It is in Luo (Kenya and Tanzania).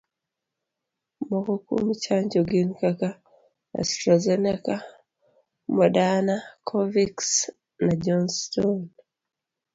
Moko kuom chanjo gin kaka: Astrazeneca, Moderna, Covix na Johnson.